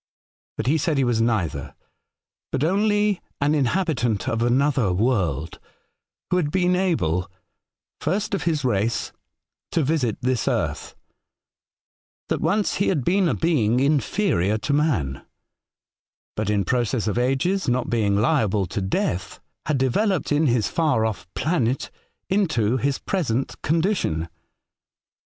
But he said he was neither, but only an inhabitant of another world, who had been able — first of his race — to visit this earth : that once he had been a being inferior to man, but in process of ages, not being liable to death, had developed in his far ofi* planet into his present condition.